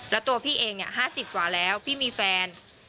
แล้วตัวพี่เองอ่ะห้าสิบกว่าแล้วพี่มีแฟน